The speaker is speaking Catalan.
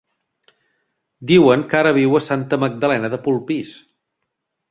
Diuen que ara viu a Santa Magdalena de Polpís.